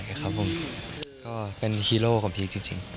ครับผมก็เป็นฮีโร่ของพีคจริง